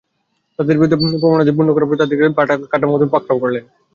তাদের বিরুদ্ধে প্রমাণাদি পূর্ণ করার পর তাদেরকে কঠোরভাবে পাকড়াও করলেন।